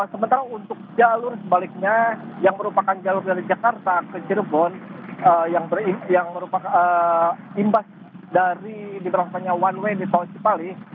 sementara untuk jalur sebaliknya yang merupakan jalur dari jakarta ke cirebon yang merupakan imbas dari diberlakukannya one way di tol cipali